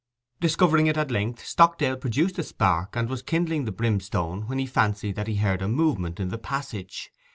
Discovering it at length, Stockdale produced a spark, and was kindling the brimstone, when he fancied that he heard a movement in the passage.